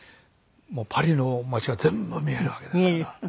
パリの街が全部見えるわけですから。